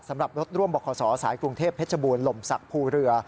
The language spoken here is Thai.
สำหรับรถร่วมบริษัทสายกรุงเทพฯเพชรบูรณ์ล่มสักผู้เรือ